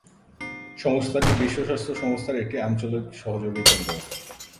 সংস্থাটি বিশ্ব স্বাস্থ্য সংস্থার একটি আঞ্চলিক সহযোগী কেন্দ্র।